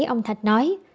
ông thạch nói